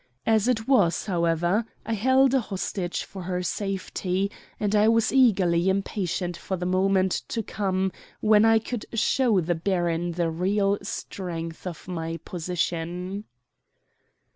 As it was, however, I held a hostage for her safety, and I was eagerly impatient for the moment to come when I could show the baron the real strength of my position.